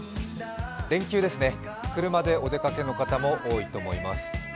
連休ですね、車でお出かけの方も多いと思います。